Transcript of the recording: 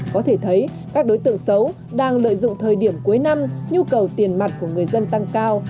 có thể thấy các đối tượng xấu đang lợi dụng thời điểm cuối năm nhu cầu tiền mặt của người dân tăng cao